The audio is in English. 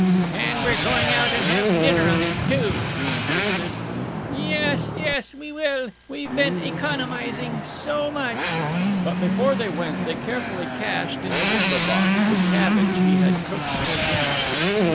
"And we're going out and have dinner on it, too," he insisted. "Yes, yes; we will. We've been economizing so much!" But before they went they carefully cached in the window box the cabbage he had cooked for dinner.